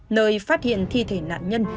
nơi phát hiện thi thể nạn nhân